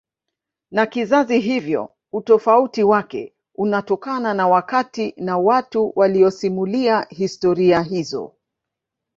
na kizazi hivyo utofauti wake unatokana na wakati na watu waliyosimulia historia hizo